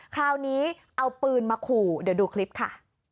คราวนี้เอาปืนมาขู่เดี๋ยวดูคลิปค่ะ